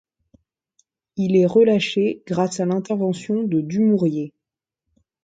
Il est relâché grâce à l’intervention de Dumouriez.